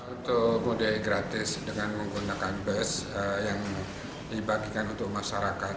untuk mudik gratis dengan menggunakan bus yang dibagikan untuk masyarakat